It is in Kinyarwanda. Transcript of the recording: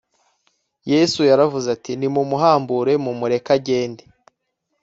Yesu yaravuze ati nimumuhambure mumureke agende